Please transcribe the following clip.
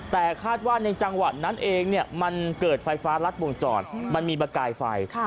แต่คาดว่าในจังหวะนั้นเองมันเกิดไฟฟ้ารัดวงจรมันมีประกายไฟ